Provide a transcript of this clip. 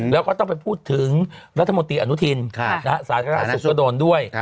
แล้วก็ต้องไปพูดถึงรัฐมนตรีอนุทินสาธารณสุขก็โดนด้วย